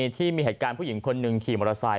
ที่มีเหตุการณ์ผู้หญิงคนหนึ่งขี่มอเตอร์ไซค